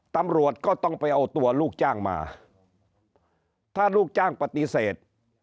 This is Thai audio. ตำรวจก็ต้องไปเอาตัวลูกจ้างมาถ้าลูกจ้างปฏิเสธ